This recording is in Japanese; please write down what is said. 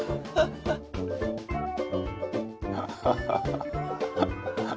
ハハハハ。